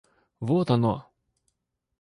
Вот оно!